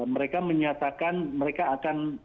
mereka menyatakan mereka akan